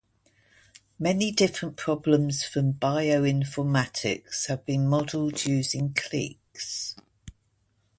Many different problems from bioinformatics have been modeled using cliques.